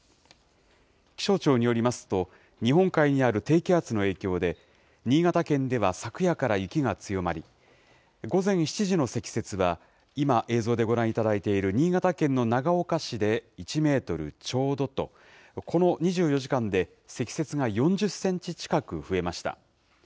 気象庁によりますと、日本海にある低気圧の影響で、新潟県では昨夜から雪が強まり、午前７時の積雪は、今、映像でご覧いただいている新潟県の長岡市で１メートルちょうどと、この２４時間で積雪が４０センチ近く増えました。